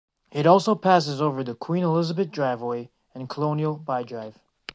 It also passes over the Queen Elizabeth Driveway and Colonel By Drive.